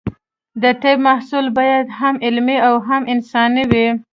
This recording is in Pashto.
د طب محصل باید هم علمي او هم انساني وي.